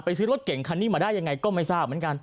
ซื้อรถเก่งคันนี้มาได้ยังไงก็ไม่ทราบเหมือนกัน